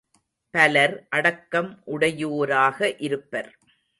பலர் அடக்கம் உடையோராக இருப்பர்.